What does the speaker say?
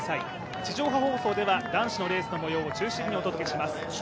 地上波放送では男子のレースの模様を中心にお伝えします。